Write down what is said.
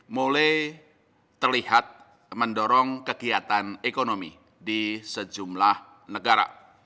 mulai terlihat mendorong kegiatan ekonomi di sejumlah negara